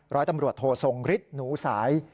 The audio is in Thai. ร้อยตำรวจโททรงฤทธิ์หนูสาย